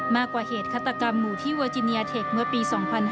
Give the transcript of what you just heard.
มากกว่าเหตุฆาตกรรมหมู่ที่เวอร์จิเนียเทคเมื่อปี๒๕๕๙